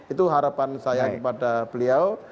itu harapan saya kepada beliau